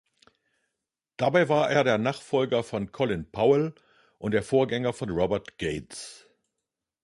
Dabei war er der Nachfolger von Colin Powell und der Vorgänger von Robert Gates.